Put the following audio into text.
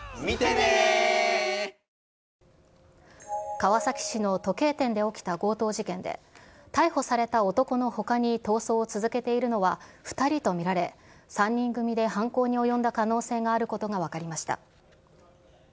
川崎市の時計店で起きた強盗事件で逮捕された男のほかに逃走を続けているのは２人と見られ、３人組で犯行に及んだ可能性があることが分かりました。